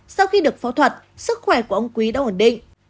sau khi được phẫu thuật sức khỏe của ông quý đã ổn định